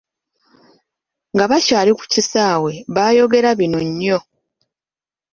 Nga bakyali ku kisaawe baayogera bingi nnyo.